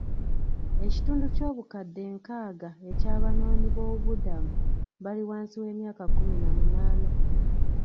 Ekitundu ky'obukadde enkaaga eky'Abanoonyiboobubudamu bali wansi w'emyaka kkumi na munaana.